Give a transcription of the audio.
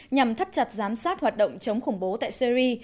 nhằm thắt chặt giám sát hoạt động chống khủng bố tại syri